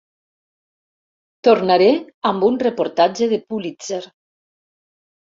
Tornaré amb un reportatge de Pulitzer!